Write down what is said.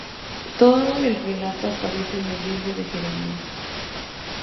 Todo el relato aparece en el Libro de Jeremías.